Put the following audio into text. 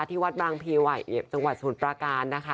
ที่วัดบางพีไหวจังหวัดศูนย์ประการนะคะ